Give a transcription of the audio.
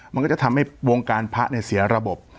มันก็จะทำให้วงการพระเสียระบบ